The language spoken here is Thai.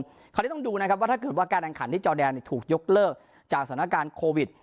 คราวนี้ต้องดูนะครับว่าถ้าเกิดว่าการแข่งขันที่จอแดนถูกยกเลิกจากสถานการณ์โควิด